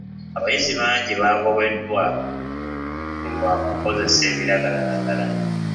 Abayizi bangi baagobeddwa ku lwa kukozesa ebiragalalagala.